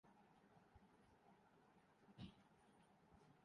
قومی کرکٹر محمد عامر ویں سالگرہ منا رہے ہیں